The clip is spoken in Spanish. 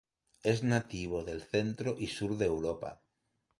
Es nativo del centro y sur de Europa.